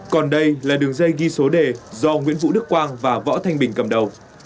còn đây là đường dây ghi số đề do nguyễn vũ đức quang và võ thanh bình cầm đầu